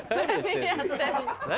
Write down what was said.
何？